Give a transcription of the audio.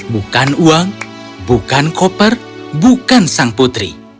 bukan uang bukan koper bukan sang putri